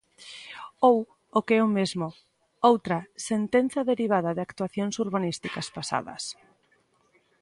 Ou, o que é o mesmo, outra "sentenza derivada de actuacións urbanísticas pasadas".